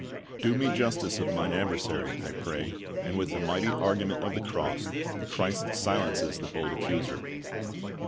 "Do nie justice of mine adversary," they pray; and with the niighty argument of the cross, Christ silences the bold accuser.